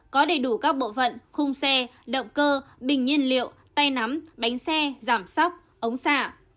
có đầy đủ các bộ phận khung xe động cơ bình nhiên liệu tay nắm bánh xe giảm sóc ống xạ